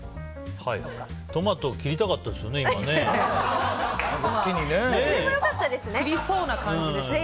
トマト切りたかったですよね。